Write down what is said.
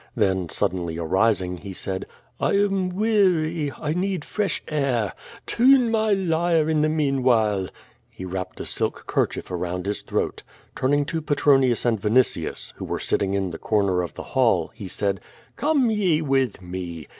Then suddenly arising, he said: "I am weary; I need fresh air. Tune my lyre in the meanwhile." He wrapped a silk kerchief around his throat. Turning to Petronius and Vini tius, who w^ere sitting in the corner of the hall, he said: *'Come ye with me.